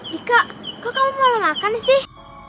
dika kok kamu pola makan sih